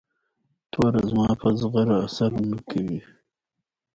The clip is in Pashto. توره زما په زغره اثر نه کوي.